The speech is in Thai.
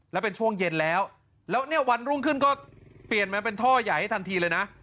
แล้วเป็นช่วงเย็นแล้วแล้วเนี่ยวันรุ่งขึ้นก็เปลี่ยนมาเป็นท่อใหญ่ให้ทันทีเลยนะ